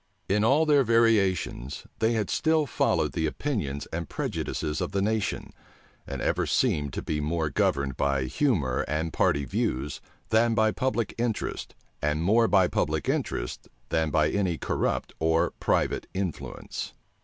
In all their variations, they had still followed the opinions and prejudices of the nation; and ever seemed to be more governed by humor and party views than by public interest, and more by public interest than by any corrupt or private influence.